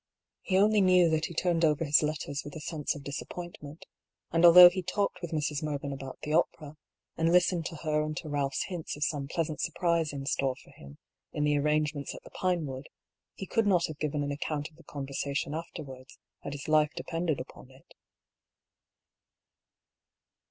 He only knew that he turned over his letters with a sense of disappointment, and although he talked with Mrs. Mervyn about the opera, and listened to her and to Kalph's hints of some pleasant surprise in store for him in the arrangements at the Pinewood, he could not have given an account of the conversation afterwards had his life depended upon it.